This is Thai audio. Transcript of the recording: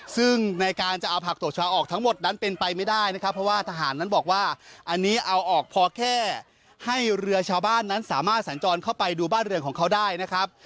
ซึ่งในการจะเอาผักตกชาวออกทั้งหมดนั้นเป็นไปไม่ได้นะครับเพราะว่าทหารนั้นบอกว่าอันนี้เอาออกพอแค่ให้เรือชาวบ้านนั้นสามารถสัญจรเข้าไปดูบ้านเรือนของเขาได้นะครับ